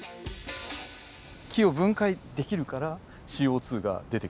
木を分解できるからＣＯが出てくるんですね。